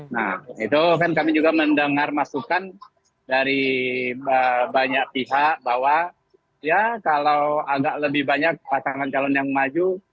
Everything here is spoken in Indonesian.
nah itu kan kami juga mendengar masukan dari banyak pihak bahwa ya kalau agak lebih banyak pasangan calon yang maju